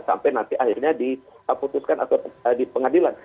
sampai akhirnya diputuskan atau dipengadilan